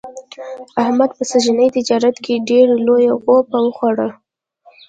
احمد په سږني تجارت کې ډېره لویه غوپه و خوړله.